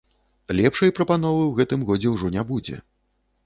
Лепшай прапановы ў гэтым годзе ўжо не будзе!